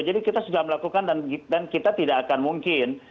jadi kita sudah melakukan dan kita tidak akan mungkin